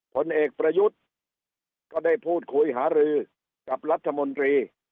ผลเอกประยุทธ์ก็ได้พูดคุยหารือกับรัฐมนตรี